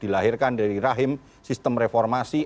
dilahirkan dari rahim sistem reformasi